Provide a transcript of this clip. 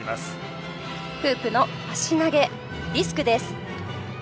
フープの足投げリスクです。